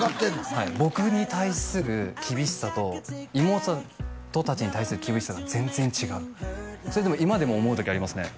はい僕に対する厳しさと妹達に対する厳しさが全然違うそれでも今でも思う時ありますね